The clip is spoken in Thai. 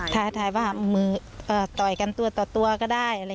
ถ่ายว่ามือต่อยกันตัวก็ได้